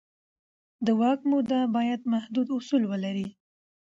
د واک موده باید محدود اصول ولري